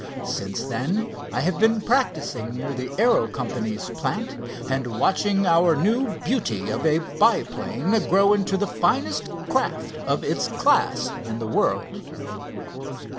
Since then I have been practicing near the Aero Company's plant, and watching our new beauty of a biplane grow into the finest craft of its class in the world."